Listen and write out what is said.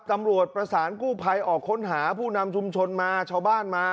ตำรวจประสานกู้ภัยออกค้นหาผู้นำชุมชนมาชาวบ้านมา